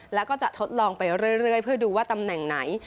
แล้วก็จะทดลองไปเรื่อยเพื่อดูว่าตำแหน่งไหน